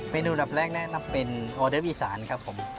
อันดับแรกแนะนำเป็นออเดฟอีสานครับผม